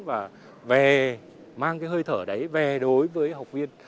và về mang cái hơi thở đấy về đối với học viên